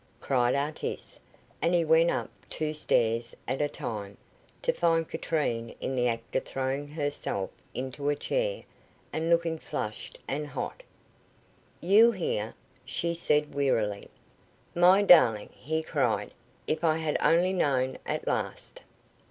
cried Artis; and he went up two stairs at a time, to find Katrine in the act of throwing herself into a chair, and looking flushed and hot. "You here?" she said, wearily. "My darling!" he cried. "If I had only known. At last!"